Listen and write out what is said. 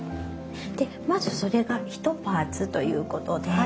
でまずそれが１パーツということで。